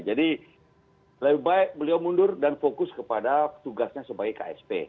jadi lebih baik beliau mundur dan fokus kepada tugasnya sebagai ksp